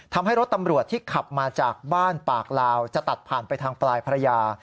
ทำให้รถตำรวจที่ขับมาจากบ้านปากลาวจะตัดผ่านไปทางปลายพระยา